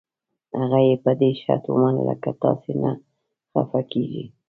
هغه یې په دې شرط ومنله که تاسي نه خفه کېږئ.